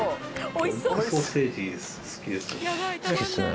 魚肉ソーセージ好きですよね。